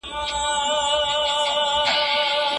بریالیو کسانو تل حلیمي غوره کړې ده.